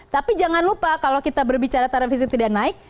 tapi jangan lupa kalau kita berbicara tarif listrik tidak naik